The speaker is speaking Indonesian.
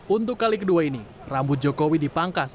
untuk kali kedua ini rambut jokowi dipangkas